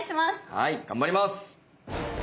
はい頑張ります！